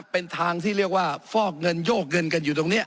เป็นทางที่เรียกว่าฟอกเงินโยกเงินกันอยู่ตรงนี้